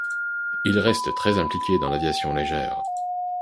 Il reste très impliqué dans l'aviation légère.